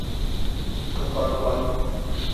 Me te kwal kwala